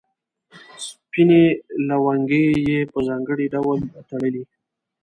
سپینې لونګۍ یې په ځانګړي ډول تړلې.